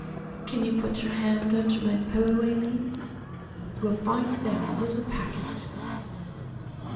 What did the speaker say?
"Can you put your hand under my pillow, Aline? You will find there a little packet."